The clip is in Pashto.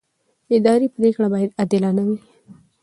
اداري پرېکړه باید عادلانه وي.